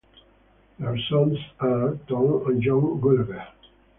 Their sons are Tom and John Gulager.